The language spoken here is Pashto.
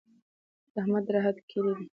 زحمت د راحت کیلي ده.